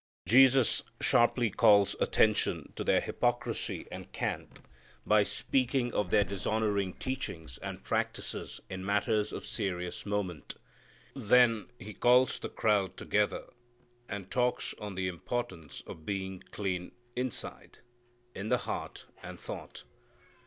Jesus sharply calls attention to their hypocrisy and cant, by speaking of their dishonoring teachings and practices in matters of serious moment. Then He calls the crowd together and talks on the importance of being clean inside, in the heart and thought.